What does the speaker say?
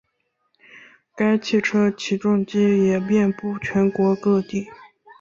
该汽车起重机也遍布全国各地。